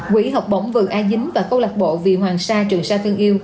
quỹ học bổng vừa ai dính và câu lạc bộ vì hoàng sa trường sa thân yêu